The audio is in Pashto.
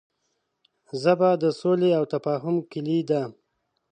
ژبه د سولې او تفاهم کلۍ ده